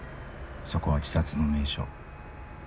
そこは自殺の名所。